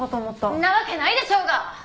んなわけないでしょうが！